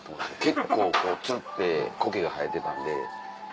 結構ツルってコケが生えてたんで。